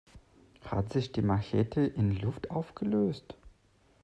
Hat sich die Machete in Luft aufgelöst?